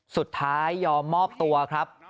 สุดท้ายยอมมอบตัวครับ